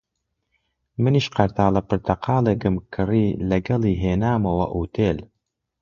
منیش قەرتاڵە پرتەقاڵێکم کڕی، لەگەڵی هێنامەوە ئوتێل